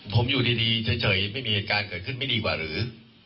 ผมอยู่ดีเฉยไม่มีเหตุการณ์เกิดขึ้นไม่ดีกว่าหรือ